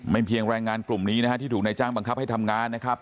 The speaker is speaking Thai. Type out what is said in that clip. เพียงแรงงานกลุ่มนี้นะฮะที่ถูกนายจ้างบังคับให้ทำงานนะครับ